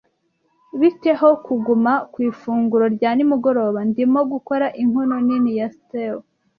Bite ho kuguma ku ifunguro rya nimugoroba? Ndimo gukora inkono nini ya stew.